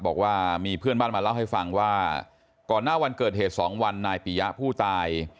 บอกว่ามีเพื่อนบ้านมาเล่าให้ฟังว่าก่อนหน้าวันเกิดเหตุสองวันนายปียะผู้ตาย